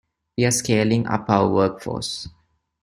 We are scaling up our workforce.